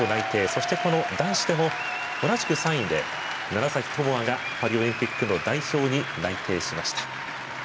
そして、男子でも同じく３位で、楢崎智亜がパリオリンピックの代表に内定しました。